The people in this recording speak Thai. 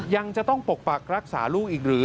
ยังจะต้องปกปักรักษาลูกอีกหรือ